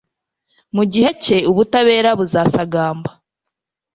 Mu gihe cye ubutabera buzasagamba